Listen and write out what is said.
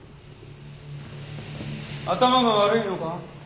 頭が悪いのか？